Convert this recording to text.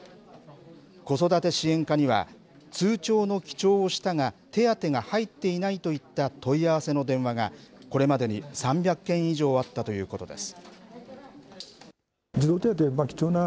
子育て支援課には、通帳の記帳をしたが、手当が入っていないといった問い合わせの電話が、これまでに３００件以上あったということです。